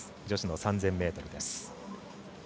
女子の３０００ｍです。